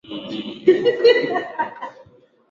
Historia kama za Alexander mkubwa utawala wa Kirumi